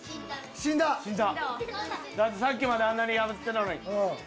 死んだ⁉だってさっきまであんなにやってたのに。